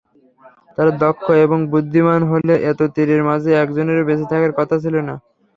তারা দক্ষ এবং বুদ্ধিমান হলে এত তীরের মাঝে একজনেরও বেঁচে থাকার কথা ছিল না।